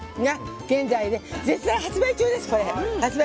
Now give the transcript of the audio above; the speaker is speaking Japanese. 現在、絶賛発売中です。